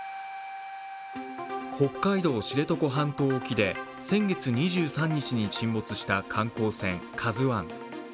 北海道・知床半島沖で先月２３日に沈没した観光船「ＫＡＺＵⅠ」。